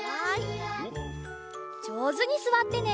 じょうずにすわってね！